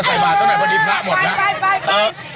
แม่จะใส่บัตรตรงไหนวันนี้ผักหมดแล้ว